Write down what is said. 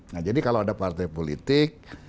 nah jadi kalau ada partai politik